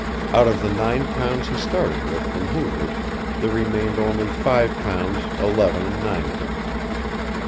Out of the nine pounds he started with from Hoover's there remained only five pounds eleven and ninepence.